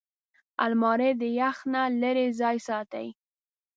الماري د یخ نه لېرې ځای ساتي